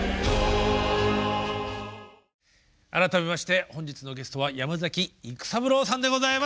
改めまして本日のゲストは山崎育三郎さんでございます。